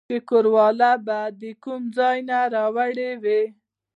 چې کور والا به د کوم ځاے نه راوړې وې